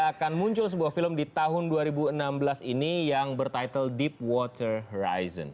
akan muncul sebuah film di tahun dua ribu enam belas ini yang bertitle deep water rrizon